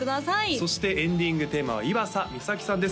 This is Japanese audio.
そしてエンディングテーマは岩佐美咲さんです